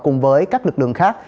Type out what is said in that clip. cùng với các lực lượng khác